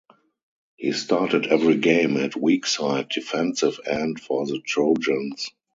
He started every game at weakside defensive end for the Trojans.